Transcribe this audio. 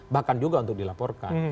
bahkan juga untuk dilaporkan